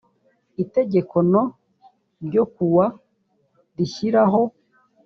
itegeko no ryo ku wa rishyiraho